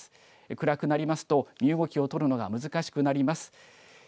暗くなりますと身動きを取るのが難しくなります。